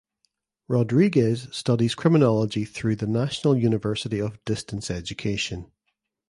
Rodriguez studies criminology through the National University of Distance Education.